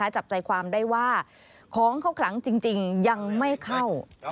จับใจความได้ว่าของเข้าขลังจริงยังไม่เข้า